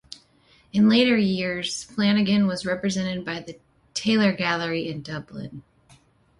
In later years Flanagan was represented by the Taylor Gallery in Dublin.